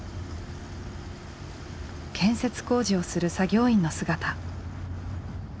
建設工事をする作業員の姿。